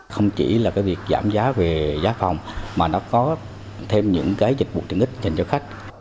không chỉ là việc giảm giá về giá phòng mà nó có thêm những dịch vụ tiện ích cho khách